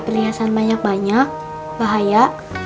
pilihan banyak banyak bahaya